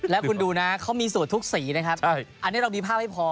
แล้วคุณดูนะเขามีสูตรทุกสีนะครับอันนี้เรามีภาพให้พอ